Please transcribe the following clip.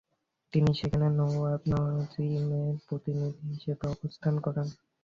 তিনি সেখানে নওয়াব নাযিমের প্রতিনিধি হিসেবে অবস্থান করেন।